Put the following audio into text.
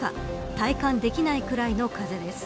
体感できないくらいの風です。